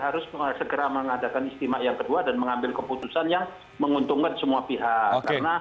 harus segera mengadakan istimewa yang kedua dan mengambil keputusan yang menguntungkan semua pihak